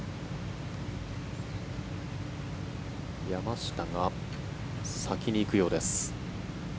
山下が先に行くようです。